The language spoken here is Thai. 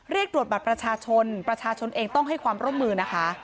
เรียกตรวจบัตรประชาชนประชาชนประชาชนเองต้องให้ความร่วมมือนะคะ